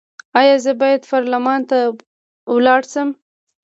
ایا زه باید پارلمان ته لاړ شم؟